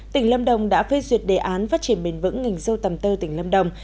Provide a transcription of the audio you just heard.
tỉnh lâm đồng đã phê duyệt đề án phát triển bền vững ngành dâu tầm tơ tỉnh lâm đồng